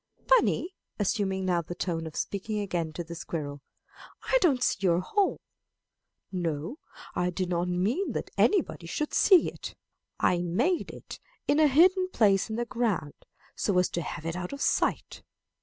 'Bunny' (assuming now the tone of speaking again to the squirrel), 'I don't see your hole. No, I did not mean that any body should see it. I made it in a hidden place in the ground, so as to have it out of sight.